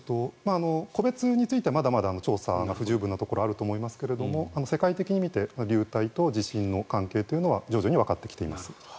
個別についてはまだまだ調査が不十分なところがありますが世界的に見て地震と流体の関係は徐々にわかってきています。